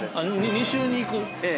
◆２週に行く？◆ええ。